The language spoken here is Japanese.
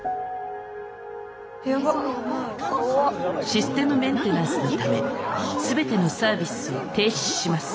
システムメンテナンスのため全てのサービスを停止します。